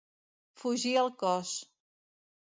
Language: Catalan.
Fugir el cos.